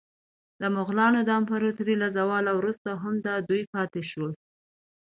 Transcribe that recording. د مغولو د امپراطورۍ له زواله وروسته هم دا دود پاتې شو.